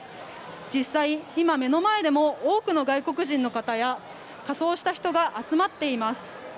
実際に今目の前でも多くの外国人の方や仮装をした人が集まっています。